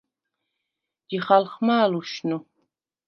ჯიხალხმა̄ ლუშნუ?